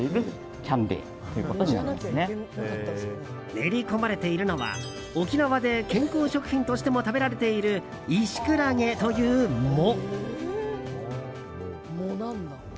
練り込まれているのは沖縄で健康食品としても食べられているイシクラゲという藻。